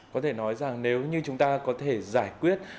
có thể nói rằng nếu như chúng ta có thể giải quyết